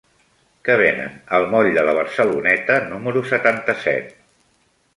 Què venen al moll de la Barceloneta número setanta-set?